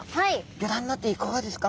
ギョ覧になっていかがですか？